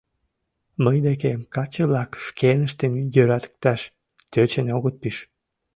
Мый декем каче-влак шкеныштым йӧратыкташ тӧчен огыт пиж.